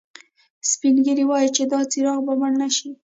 سپین ږیری وایي چې دا څراغ به مړ نه شي